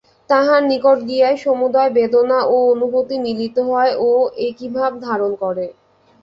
তাঁহার নিকট গিয়াই সমুদয় বেদনা ও অনুভূতি মিলিত হয় ও একীভাব ধারণ করে।